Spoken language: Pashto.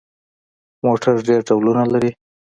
موټر ډېر ډولونه لري.